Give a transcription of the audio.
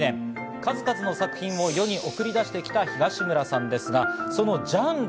数々の作品を世に送り出して来た東村さんですが、そのジャンル。